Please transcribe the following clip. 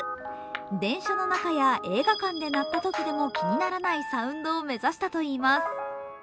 電車の中や映画館で鳴ったときにも気にならないサウンドを目指したといいます。